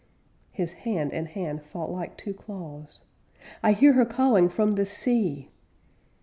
'_ His hand and hand fought like two claws _'I hear her calling from the sea!'